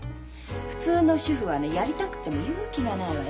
普通の主婦はねやりたくても勇気がないわよ。